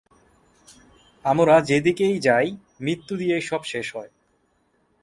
আমরা যেদিকেই যাই, মৃত্যু দিয়েই সব শেষ হয়।